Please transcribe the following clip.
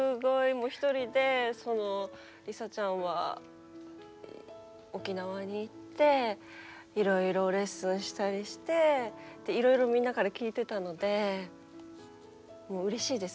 もう一人でＬｉＳＡちゃんは沖縄に行っていろいろレッスンしたりしていろいろみんなから聞いてたのでもううれしいです。